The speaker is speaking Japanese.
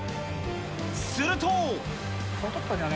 すると。